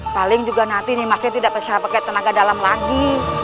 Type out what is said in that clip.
paling juga nanti nih maksudnya tidak bisa pakai tenaga dalam lagi